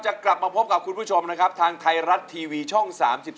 กลับมาพบกับคุณผู้ชมนะครับทางไทยรัฐทีวีช่อง๓๒